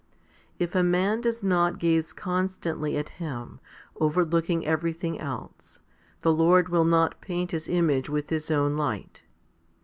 If a man does not gaze constantly at Him, over looking everything else, the Lord will not paint His image with His own light.